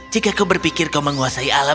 jika kau berpikir kau menguasai alam